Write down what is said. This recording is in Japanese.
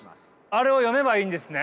あれを読めばいいんですね？